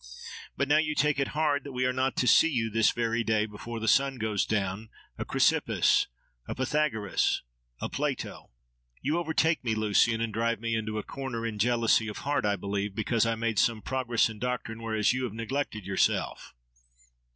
But now you take it hard that we are not to see you this very day, before the sun goes down, a Chrysippus, a Pythagoras, a Plato. —You overtake me, Lucian! and drive me into a corner; in jealousy of heart, I believe, because I have made some progress in doctrine whereas you have neglected yourself.